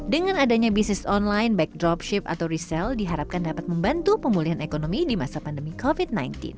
dengan adanya bisnis online backdropship atau resal diharapkan dapat membantu pemulihan ekonomi di masa pandemi covid sembilan belas